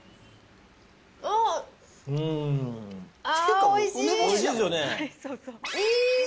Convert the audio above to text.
あっ、おいしいですよね。